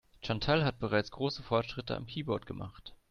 Chantal hat bereits große Fortschritte am Keyboard gemacht.